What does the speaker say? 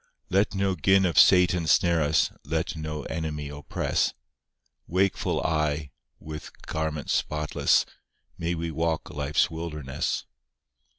II Let no gin of Satan snare us, Let no enemy oppress; Wakeful aye with garments spotless, May we walk life's wilderness.